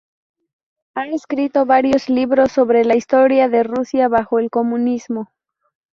Ha escrito varios libros sobre la historia de Rusia bajo el comunismo.